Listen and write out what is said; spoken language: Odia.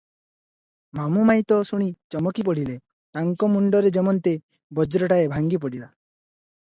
ମାମୁ ମାଇଁ ତ ଶୁଣି ଚମକି ପଡ଼ିଲେ, ତାଙ୍କ ମୁଣ୍ଡରେ ଯେମନ୍ତ ବଜ୍ରଟାଏ ଭାଙ୍ଗି ପଡିଲା ।